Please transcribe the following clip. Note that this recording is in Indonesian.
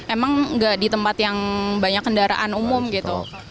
emang nggak di tempat yang banyak kendaraan umum gitu